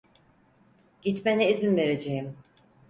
Gitmene izin vereceğim.